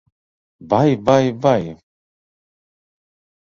Vai, vai, vai!